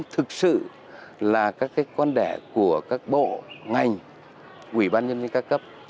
thực sự là các cái quan đẻ của các bộ ngành quỷ ban nhân dân các cấp